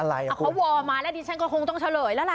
อ้าวเขาวอมาแล้วเดี๋ยวก็คงต้องเฉลยแล้วละ